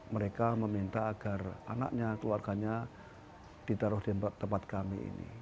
mereka meminta agar anaknya keluarganya ditaruh di tempat kami ini